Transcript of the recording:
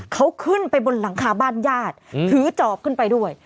เขาขึ้นไปบนหลังคาบ้านญาติถือจอบขึ้นไปด้วย